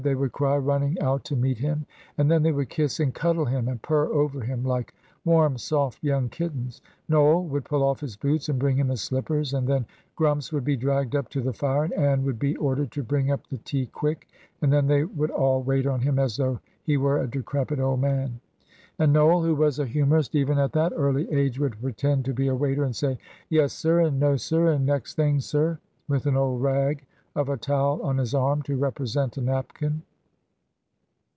they would cry, running out to meet him; and then they would kiss and cuddle him, and purr over him like warm, soft young kittens. Noel would pull off his boots and bring him his slippers, and then "Grumps" would be dragged up to the fire, and Ann would be ordered to bring up the tea quick, and then they would all wait on him as though he were a decrepit old man; and Noel, who was a humorist even at that early age, would pretend to be a waiter, and say, "Yessir," and "No, sir," and "Next thing, sir," with an old rag of a towel on his arm to represent a napkin.